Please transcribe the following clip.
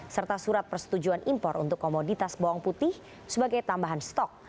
serta surat persetujuan impor untuk komoditas bawang putih sebagai tambahan stok